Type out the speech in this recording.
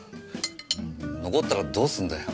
残ったらどうすんだよ。